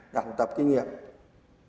đảng tập kinh nghiệm